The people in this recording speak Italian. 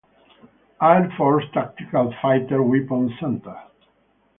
Air Force Tactical Fighter Weapons Center.